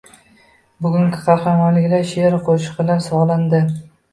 Bugungi qahramonliklar sheʼru qoʻshiqlarga solindi